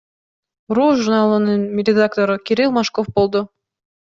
ру журналынын редактору Кирилл Мошков болду.